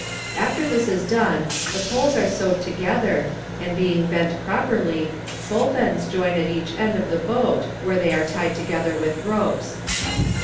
"After this is done, the poles are sewed together, and being bent properly, both ends join at each end of the boat, where they are tied together with ropes.